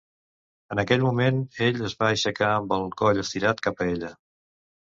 En aquell moment ell es va aixecar amb el coll estirat cap a ella.